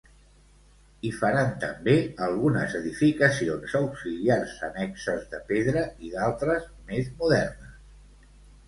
Hi faran també algunes edificacions auxiliars annexes de pedra i d'altres més modernes.